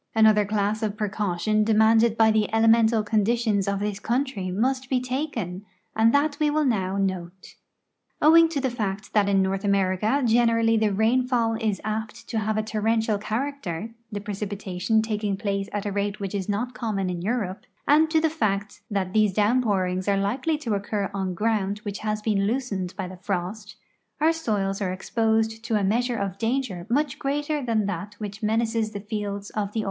Another class of ])recaution demanded b\" the elemental conditions of this country must be taken, and that we will now note. Owing to the fact that in North America generall}^ the rain fall is apt to have a torrential character (the ])recipitation taking ■])lace at a rate which is not common in Europe) and to the fact that these downpourings are likely to occur on ground which has been loosened by the frost, our soils are exposed to a meas ure of danger much greater than that which menaces the fields of the.